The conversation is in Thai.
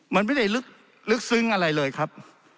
มันไม่ได้ลึกซึ้งอะไรเลยครับ